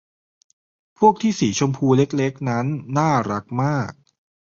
พวกที่สีชมพูเล็ก ๆ นั้นน่ารักมาก